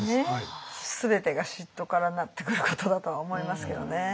全てが嫉妬からなってくることだとは思いますけどね。